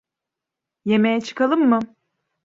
Yemeğe çıkalım mı?